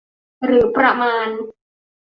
หรือประมาณ